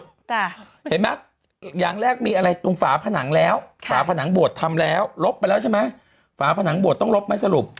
เห็นไหมอย่างแรกมีอะไรตรงฝาผนังแล้วฝาผนังบวชทำแล้วลบไปแล้วใช่ไหมฝาผนังบวชต้องลบไหมสรุป